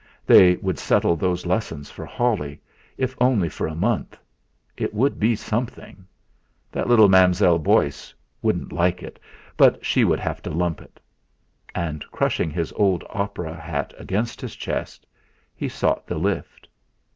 They would settle those lessons for Holly, if only for a month. It would be something. That little Mam'zelle Beauce wouldn't like it, but she would have to lump it. And crushing his old opera hat against his chest he sought the lift.